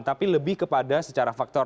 tapi lebih kepada secara faktor